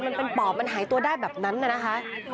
มันเป็นปอบมันหายตัวได้แบบนั้นน่ะนะคะ